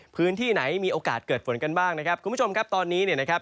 พื้นที่ไหนมีโอกาสเกิดฝนกันบ้างนะครับคุณผู้ชมครับตอนนี้เนี่ยนะครับ